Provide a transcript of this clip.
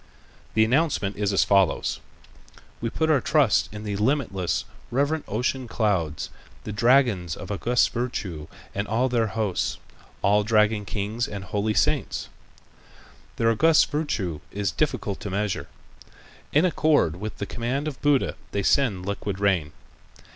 The announcement is as follows: "We put our trust in the limitless, reverent ocean clouds, the dragons of august virtue and all their host, all dragon kings and holy saints. Their august virtue is difficult to measure. In accord with the command of Buddha they send liquid rain.